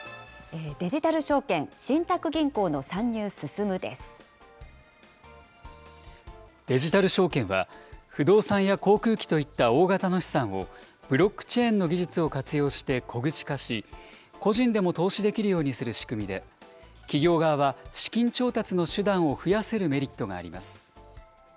デジタル証券、デジタル証券は、不動産や航空機といった大型の資産をブロックチェーンの技術を活用して小口化し、個人でも投資できるようにする仕組みで、企業側は資金調達の手段を増やせるメリットがあります。